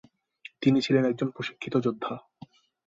তিনি ছিলেন একজন প্রশিক্ষিত যোদ্ধা।